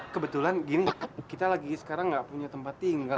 kebetulan ini kita lagi sekarang gak punya tempat tinggal